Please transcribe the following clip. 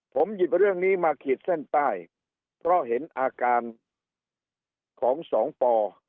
ผมหยิบเรื่องนี้มาขีดเส้นใต้เพราะเห็นอาการของสองปอ